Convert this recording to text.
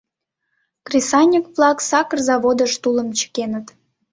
— Кресаньык-влак сакыр заводыш тулым чыкеныт.